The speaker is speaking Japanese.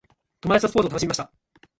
友達とスポーツを楽しみました。